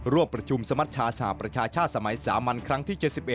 ร่วมประชุมสมัชชาสหประชาชาติสมัยสามัญครั้งที่๗๑